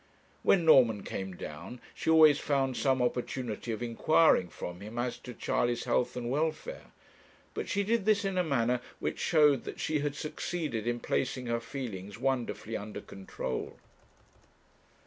When Norman came down, she always found some opportunity of inquiring from him as to Charley's health and welfare; but she did this in a manner which showed that she had succeeded in placing her feelings wonderfully under control.